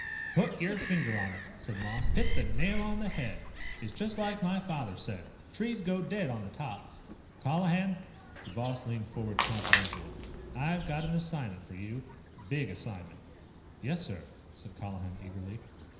"Put your finger on it," said Moss. "Hit the nail on the head. It's just like my father said: 'Trees go dead on the top.' Colihan " The boss leaned forward confidentially. "I've got an assignment for you. Big assignment." "Yes, sir!" said Colihan eagerly.